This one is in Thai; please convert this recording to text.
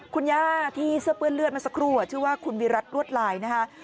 คุณย่าที่เสื้อเปื้อนเลือดมาสักครู่ชื่อว่าคุณวิรัติรวดลายนะคะ